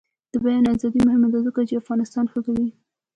د بیان ازادي مهمه ده ځکه چې افغانستان ښه کوي.